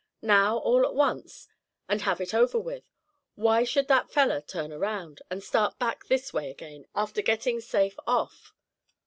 Now, all at once, and have it over with why should that feller turn around, and start back this way again, after getting safe off?"